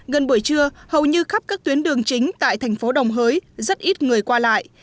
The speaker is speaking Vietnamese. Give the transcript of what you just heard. gần buổi trưa hầu như khắp các tuyến đường chính tại thành phố đồng hới rất ít người qua lại